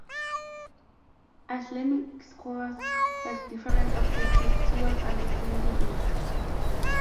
Islamic scholars have different approaches toward understanding it.